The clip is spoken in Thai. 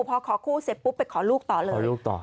พอขอคู่เสร็จปุ๊บไปขอลูกต่อเลยขอลูกต่อ